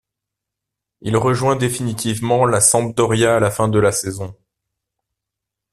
Il rejoint définitivement la Sampdoria à la fin de la saison.